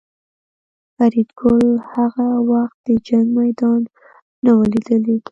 فریدګل هغه وخت د جنګ میدان نه و لیدلی